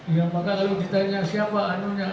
ya maka lalu ditanya siapa anunya